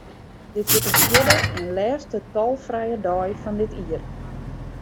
Dit wurdt de fjirde en lêste tolfrije dei fan dit jier.